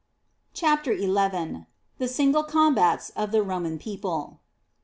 CHAPTER XI The single combats of the Roman people.